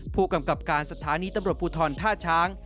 ผู้กำกับการสถานีตำรวจภูทรท่าช้าง